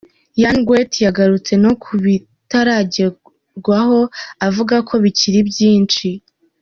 Yann Gwet yagarutse no ku bitaragerwaho avuga ko bikiri byinshi.